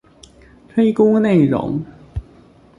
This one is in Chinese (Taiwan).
推估內容